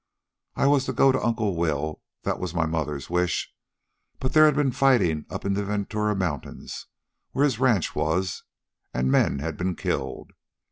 I was to go to Uncle Will that was my mother's wish; but there had been fighting up in the Ventura Mountains where his ranch was, and men had been killed.